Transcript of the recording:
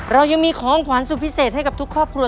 เรายังมีของขวัญสุดพิเศษให้กับทุกครอบครัว